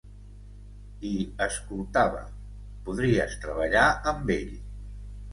I escoltava... Podries treballar amb ell.